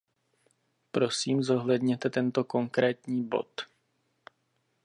Prosím zohledněte tento konkrétní bod.